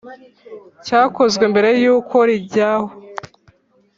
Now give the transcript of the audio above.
Cyakozwe mbere y’uko rijyaho,